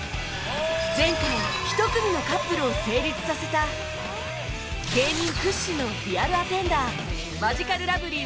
前回１組のカップルを成立させた芸人屈指のリアルアテンダーマヂカルラブリー